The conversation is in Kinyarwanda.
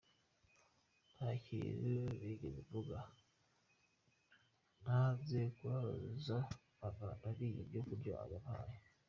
Nta kintu nigeze mvuga nanze kubabaza mama, nariye ibyo kurya yampaye.